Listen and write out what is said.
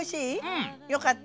うん！よかった。